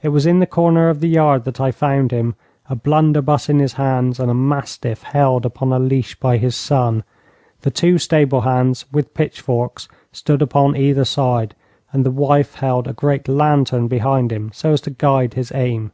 It was in the corner of the yard that I found him, a blunderbuss in his hands and a mastiff held upon a leash by his son. The two stable hands, with pitchforks, stood upon either side, and the wife held a great lantern behind him, so as to guide his aim.